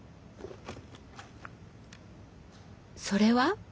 それは？